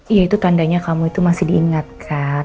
iya itu tandanya kamu itu masih diingatkan